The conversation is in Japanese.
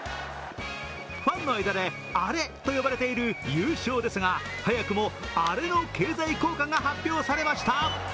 ファンの間でアレと呼ばれている優勝ですが早くもアレの経済効果が発表されました。